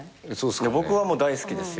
僕はもう大好きですよ。